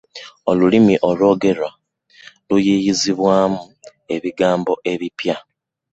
Olulimi olw'ogerwa luyiyizibwamu ebigambo ebipya.